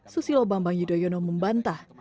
susilo bambang yudhoyono membantah